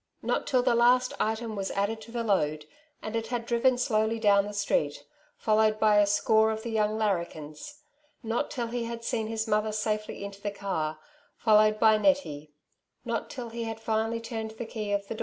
Not till the last item was added to the load, and it had driven slowly down the street, followed by a score of the young larrakins — not till he had seen his mother safely into the car, followed by Nettie — not till he had finally turned ihe key of the Flitting.